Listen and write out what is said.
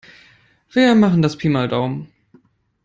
Wir machen das Pi mal Daumen.